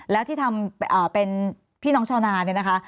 แล้วที่ทำเป็นพี่น้องชาวนาเนี่ยนะคะ